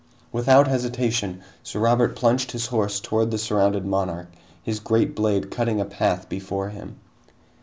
Without hesitation, Sir Robert plunged his horse toward the surrounded monarch, his great blade cutting a path before him.